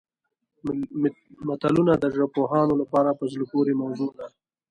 متلونه د ژبپوهانو لپاره په زړه پورې موضوع ده